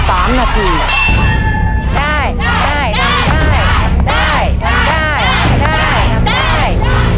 ได้ได้ได้ได้ได้ได้ได้ได้ได้